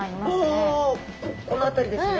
おおこの辺りですね。